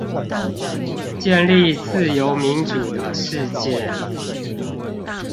建立自由民主的世界